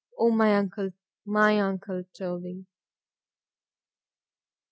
—O my uncle! my uncle _Toby.